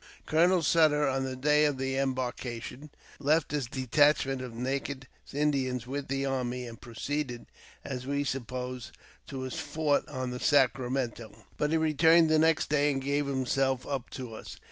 Colonel Sutter, on the day of embarkation, left his detach ment of naked Indians with the army, and proceeded, as we supposed, to his fort on the Sacramento ; but he returned the next day. and gave himself up to us.